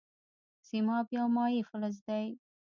سیماب یو مایع فلز دی.